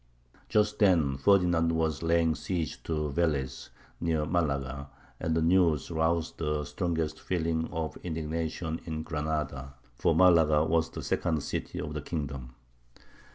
Just then Ferdinand was laying siege to Velez, near Malaga, and the news roused the strongest feeling of indignation in Granada; for Malaga was the second city of the kingdom.